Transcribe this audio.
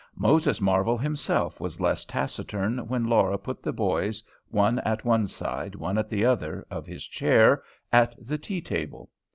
Moses Marvel himself was less taciturn when Laura put the boys, one at one side, one at the other, of his chair, at the tea table.